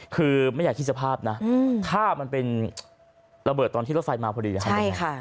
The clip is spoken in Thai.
คือไม่อยากคิดสภาพนะถ้ามันเป็นระเบิดตอนที่รถไฟมาพอดีนะครับ